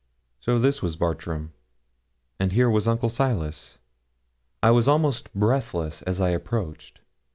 So this was Bartram, and here was Uncle Silas. I was almost breathless as I approached.